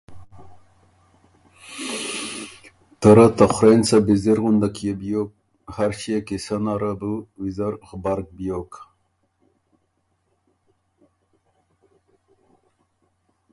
ته رۀ ته خورېنڅه بیزِر غندک يې بیوک، هر ݭيې قیصۀ نر ویزر غبرګ بیوک۔